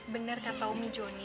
benar kata umi jonny